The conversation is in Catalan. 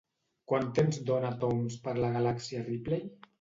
Quant temps dona tombs per la galàxia Ripley?